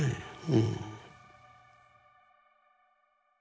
うん。